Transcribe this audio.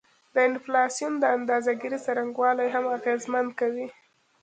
د انفلاسیون د اندازه ګيرۍ څرنګوالی هم اغیزمن کوي